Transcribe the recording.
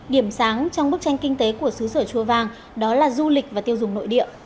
điểm sáng trong bức tranh kinh tế của xứ sở chua vàng đó là du lịch và tiêu dùng nội địa